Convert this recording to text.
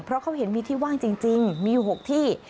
เพราะเขาเห็นมีที่ว่างจริงมีอยู่๖ที่